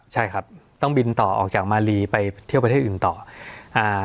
ใช่ครับต้องบินต่อออกจากมาลีไปเที่ยวประเทศอื่นต่ออ่า